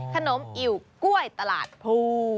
ขนมอิวกล้วยตลาดภู